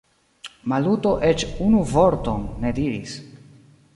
Maluto eĉ unu vorton ne diris.